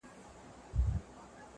په هر ولایت کي د هغه ځای